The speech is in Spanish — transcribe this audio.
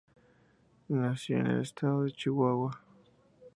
Nació en el estado de Chihuahua.